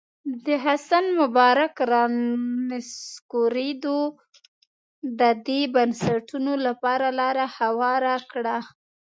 د حسن مبارک رانسکورېدو د دې بنسټونو لپاره لاره هواره کړه.